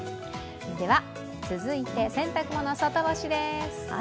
では続いて洗濯物、外干しです。